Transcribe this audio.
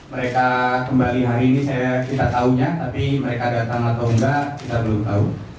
mereka kembali hari ini kita tahunya tapi mereka datang atau enggak kita belum tahu